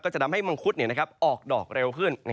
จะทำให้มังคุดออกดอกเร็วขึ้น